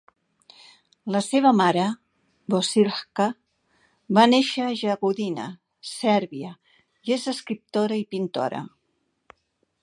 La seva mare, Bosiljka, va néixer a Jagodina, Sèrbia, i és escriptora i pintora.